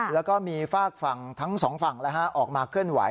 แล้วก็มีฝากฝั่งทั้งสองฝั่งออกมาเคลื่อนไหว